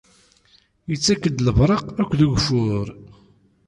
Ittak-d lebraq akked ugeffur.